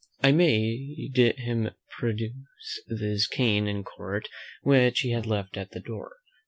I bade him produce his cane in court, which he had left at the door.